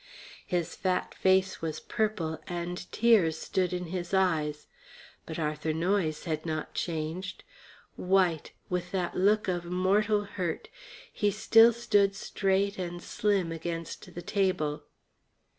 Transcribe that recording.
His fat face was purple, and tears stood in his eyes. But Arthur Noyes had not changed. White, with that look of mortal hurt, he still stood straight and slim against the table.